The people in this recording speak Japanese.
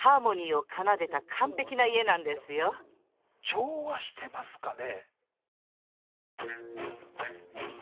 調和してますかね？